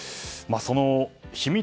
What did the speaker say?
その秘密